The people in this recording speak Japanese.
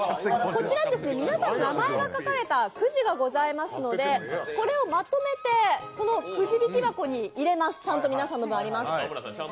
こちらに皆さんの名前が書かれたくじがございますので、これをまとめてくじ引き箱に入れます、ちゃんと皆さんの分あります